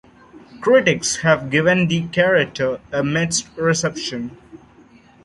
Critics have given the character a mixed reception.